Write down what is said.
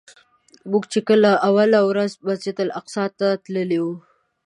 موږ چې کله اوله ورځ مسجدالاقصی ته تللي وو.